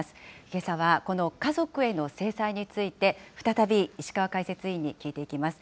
けさはこの家族への制裁について、再び、石川解説委員に聞いていきます。